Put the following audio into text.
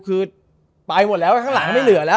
คือไปหมดแล้วข้างหลังไม่เหลือแล้ว